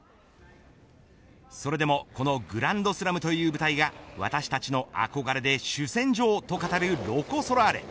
それでもこのグランドスラムという舞台が私たちの憧れで主戦場と語るロコ・ソラーレ。